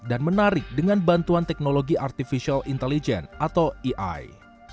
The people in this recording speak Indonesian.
dan menarik dengan bantuan teknologi artificial intelligence atau ei